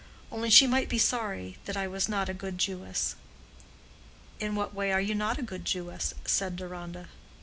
Only, she might be sorry that I was not a good Jewess." "In what way are you not a good Jewess?" said Deronda.